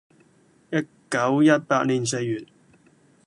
（一九一八年四月。）